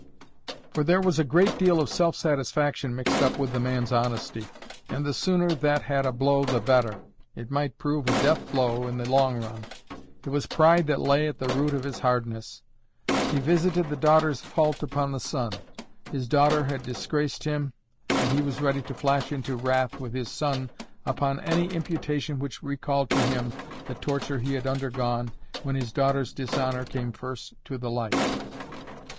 For there was a great deal of self satisfaction mixed up with the man's honesty, and the sooner that had a blow the better—it might prove a death blow in the long run. It was pride that lay at the root of his hardness. He visited the daughter's fault upon the son. His daughter had disgraced him; and he was ready to flash into wrath with his son upon any imputation which recalled to him the torture he had undergone when his daughter's dishonour came first to the light.